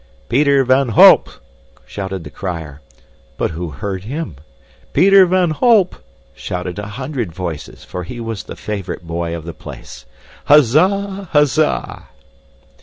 "Peter van Holp!" shouted the crier. But who heard him? "Peter van Holp!" shouted a hundred voices, for he was the favorite boy of the place. "Huzza! Huzza!"